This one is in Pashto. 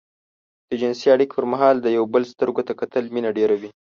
د جنسي اړيکې پر مهال د يو بل سترګو ته کتل مينه ډېروي.